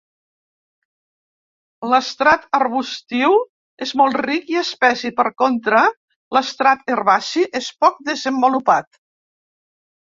L'estrat arbustiu és molt ric i espès i, per contra, l'estrat herbaci és poc desenvolupat.